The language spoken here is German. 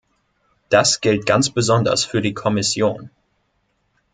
Das gilt ganz besonders für die Kommission.